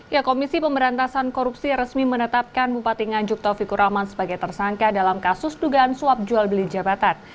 ya komisi pemberantasan korupsi resmi menetapkan bupati nganjuk taufikur rahman sebagai tersangka dalam kasus dugaan suap jual beli jabatan